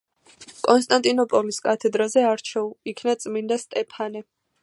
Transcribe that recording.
კონსტანტინოპოლის კათედრაზე არჩეულ იქნა წმინდა სტეფანე.